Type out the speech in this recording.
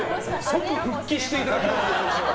即復帰していただきたい。